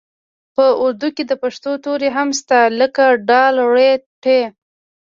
په اردو کې د پښتو توري هم شته لکه ډ ړ ټ